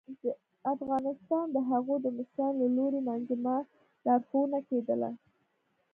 ه افغانستانه د هغو د مشرانو له لوري منظمه لارښوونه کېدله